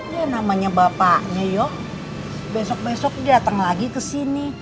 ya namanya bapaknya yo besok besok dia datang lagi ke sini